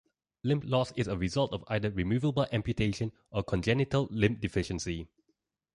Limb loss is a result of either removal by amputation or congenital limb deficiency.